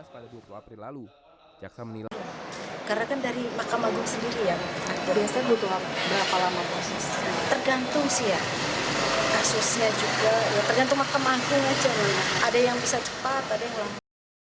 kasusnya juga tergantung mahkamah agung saja ada yang bisa cepat ada yang lama